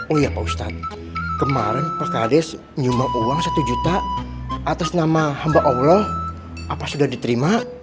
oh iya pak ustadz kemarin pak kades nyumbang uang satu juta atas nama hamba allah apa sudah diterima